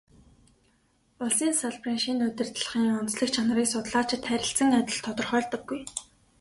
Улсын салбарын шинэ удирдлагын онцлог чанарыг судлаачид харилцан адил тодорхойлдоггүй.